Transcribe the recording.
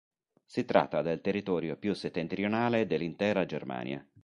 Si tratta del territorio più settentrionale dell'intera Germania.